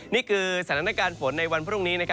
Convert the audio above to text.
นี่คือสถานการณ์ฝนในวันพรุ่งนี้